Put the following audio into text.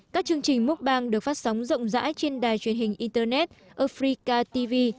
các chương trình múc băng được phát sóng rộng rãi trên đài truyền hình internet afrika tv